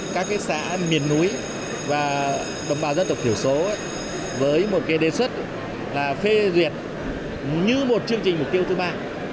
các xã miền núi và đồng bào dân tộc thiểu số với một cái đề xuất là phê duyệt như một chương trình mục tiêu thứ ba